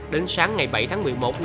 đến sáng ngày bảy tháng một mươi một